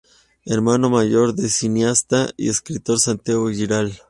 Hermano mayor del cineasta y escritor Santiago Giralt.